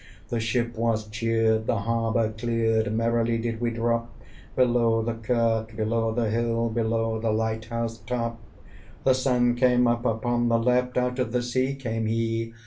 The ship was cheered, the harbour cleared, Merrily did we drop Below the kirk, below the hill, Below the light house top. The Sun came up upon the left, Out of the sea came he!